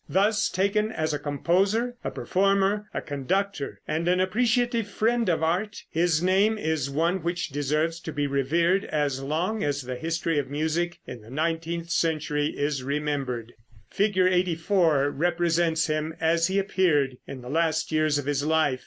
Thus, taken as a composer, a performer, a conductor, and an appreciative friend of art, his name is one which deserves to be revered as long as the history of music in the nineteenth century is remembered. Fig. 84 represents him as he appeared in the last years of his life.